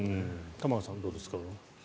玉川さん、どうですか。